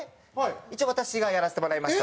一応私がやらせてもらいました。